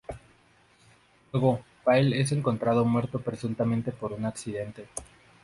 Luego, Pyle es encontrado muerto, presuntamente por un accidente.